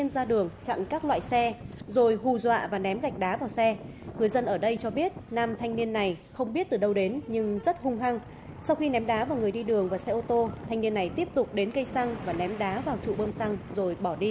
xin chào và hẹn gặp lại các bạn trong những video tiếp theo